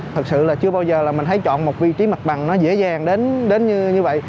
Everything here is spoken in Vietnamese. thật sự là chưa bao giờ là mình thấy chọn một vị trí mặt bằng nó dễ dàng đến như vậy